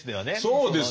そうですよ。